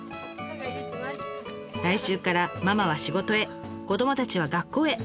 来週からママは仕事へ子どもたちは学校へ。